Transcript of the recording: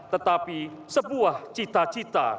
tetapi sebuah cita cita